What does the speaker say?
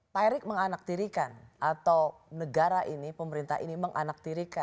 pak erik menganaktirikan atau negara ini pemerintah ini menganaktirikan